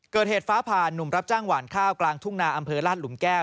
เกิดเหตุฟ้าผ่านหนุ่มรับจ้างหวานข้าวกลางทุ่งนาอำเภอราชหลุมแก้ว